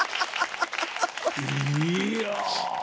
いや。